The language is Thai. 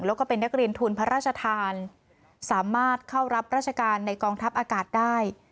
แล้วก็เป็นนักเรียนทุนพระราชทานสามารถเข้ารับราชการในกองทัพอากาศได้